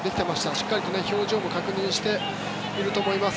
しっかりと表情も確認していると思います。